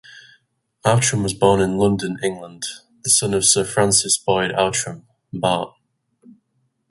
Outram was born in London, England, the son of Sir Francis Boyd Outram, Bart.